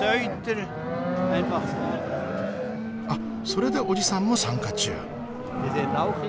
それでおじさんも参加中。